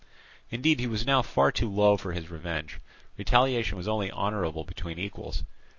Indeed, he was now far too low for his revenge; retaliation was only honourable between equals.